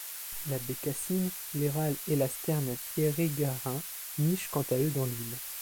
La bécassine, les râles et la Sterne pierregarin nichent quant à eux dans l'île.